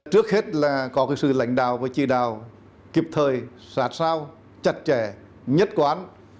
trước hết là có sự lãnh đạo và chỉ đạo kịp thời sát sao chặt chẽ nhất quán